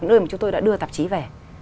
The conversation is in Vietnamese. nơi mà chúng tôi đã đưa tạp chí về